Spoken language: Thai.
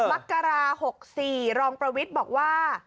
บักกะลา๖๔รองประวิษณ์บอกว่า